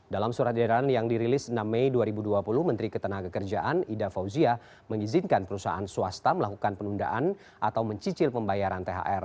dalam surat edaran yang dirilis enam mei dua ribu dua puluh menteri ketenagakerjaan ida fauzia mengizinkan perusahaan swasta melakukan penundaan atau mencicil pembayaran thr